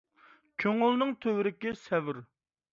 كۆڭۈلنىڭ تۆۋرۈكى سەۋر.